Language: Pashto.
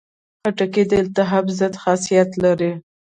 خټکی د التهاب ضد خاصیت لري.